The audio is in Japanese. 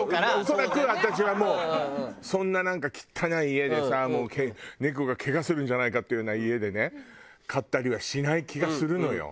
恐らく私はもうそんななんか汚い家でさ猫がケガするんじゃないかっていうような家でね飼ったりはしない気がするのよ。